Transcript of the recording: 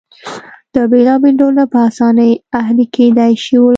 دا بېلابېل ډولونه په اسانۍ اهلي کېدای شول